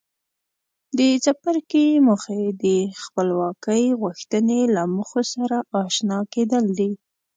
د څپرکي موخې د خپلواکۍ غوښتنې له موخو سره آشنا کېدل دي.